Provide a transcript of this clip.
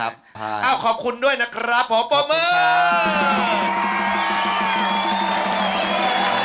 อ้าวขอบคุณด้วยนะครับขอบคุณมาก